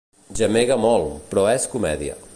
Gemega molt, però és comèdia.